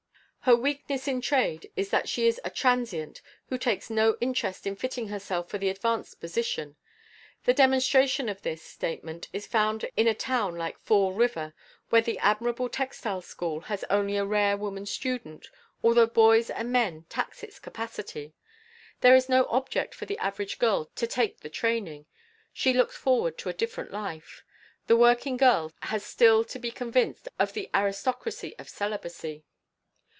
Her weakness in trade is that she is a transient who takes no interest in fitting herself for an advanced position. The demonstration of this statement is found in a town like Fall River, where the admirable textile school has only a rare woman student, although boys and men tax its capacity. There is no object for the average girl to take the training. She looks forward to a different life. The working girl has still to be convinced of the "aristocracy of celibacy"!